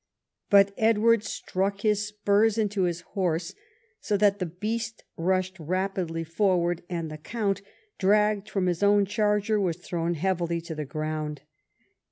But Edward struck his spurs into his horse, so that the beast rushed rapidly forward, and the Count, dragged from his own charger, was thrown heavily to the ground.